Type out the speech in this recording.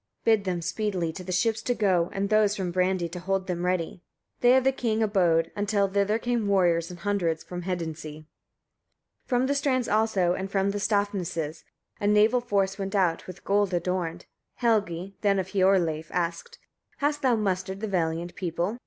22. "Bid them speedily to the ships to go, and those from Brandey to hold them ready." There the king abode, until thither came warriors in hundreds from Hedinsey. 23. From the strands also, and from Stafnsnes, a naval force went out, with gold adorned. Helgi then of Hiorleif asked: "Hast thou mustered the valiant people?"